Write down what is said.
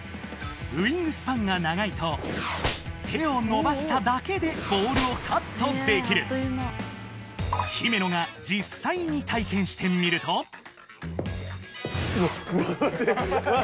ウイングスパンが長いと手を伸ばしただけでボールをカットできる姫野が実際に体験してみるとうわっ。